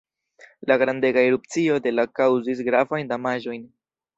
La grandega erupcio de la kaŭzis gravajn damaĝojn.